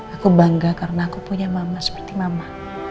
aku bangga karena aku punya mama seperti mama